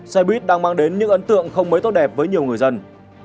xe buýt đang mang đến những ấn tượng không mới tốt đẹp với nhiều người dân